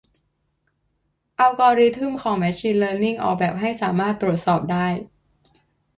อัลกอรึทึ่มของแมชชีนเลินนิ่ง ออกแบบให้สามารถตรวจสอบได้